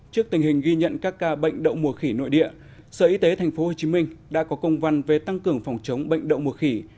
trước tình hình ghi nhận các ca bệnh đậu mùa khỉ nội địa sở y tế tp hcm đã có công văn về tăng cường phòng chống bệnh đậu mùa khỉ